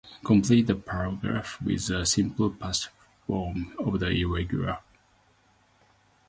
Complete the paragraph with the simple past form of the irregular